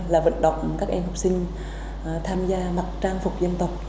là vận động các em học sinh tham gia mặc trang phục dân tộc